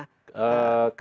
kasus kecil kecilan ada